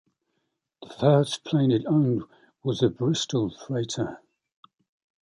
The first plane it owned was a Bristol Freighter.